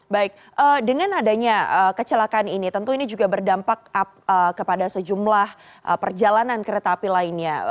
baik dengan adanya kecelakaan ini tentu ini juga berdampak kepada sejumlah perjalanan kereta api lainnya